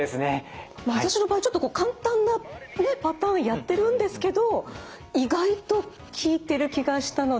私の場合ちょっと簡単なパターンやってるんですけど意外と効いてる気がしたので。